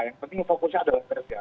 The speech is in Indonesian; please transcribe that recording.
yang penting fokusnya adalah bekerja